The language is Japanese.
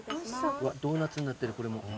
ドーナツになってるこれも。